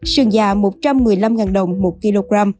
sườn già một trăm một mươi năm đồng một kg